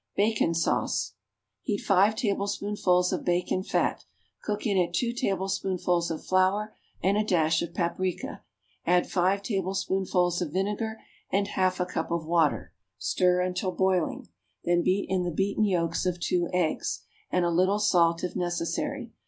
=Bacon Sauce.= Heat five tablespoonfuls of bacon fat; cook in it two tablespoonfuls of flour and a dash of paprica; add five tablespoonfuls of vinegar and half a cup of water; stir until boiling; then beat in the beaten yolks of two eggs, and a little salt if necessary.